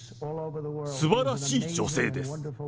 すばらしい女性です。